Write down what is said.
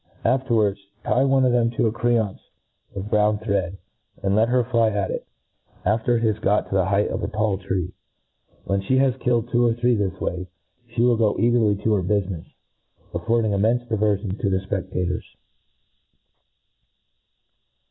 Afterwards, tie one of them to a creancd of brown thread, and let her fly at it, after it has got to the height of a tall tree. When fhe has killed two or three this way, fhe will go ,cagerly to her bufine&, affording immcnfe diveriion to the fpedators.